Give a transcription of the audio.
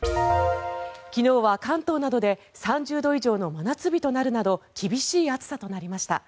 昨日は関東などで３０度以上の真夏日となるなど厳しい暑さとなりました。